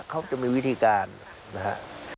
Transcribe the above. เขาก็จะมีวิธีการนะฮะ